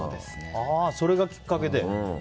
それがきっかけで。